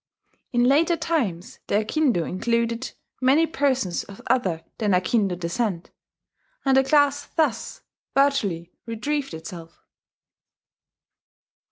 In later times the Akindo included many persons of other than Akindo descent; and the class thus virtually retrieved itself.